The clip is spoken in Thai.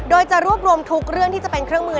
โดยจะรวบรวมทุกเรื่องที่จะเป็นเครื่องมือ